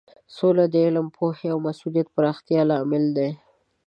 سوله د علم، پوهې او مسولیت پراختیا لامل دی.